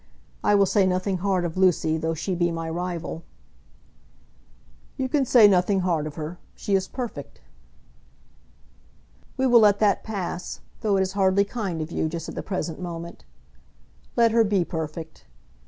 I will say nothing hard of Lucy, though she be my rival." "You can say nothing hard of her. She is perfect." "We will let that pass, though it is hardly kind of you, just at the present moment. Let her be perfect.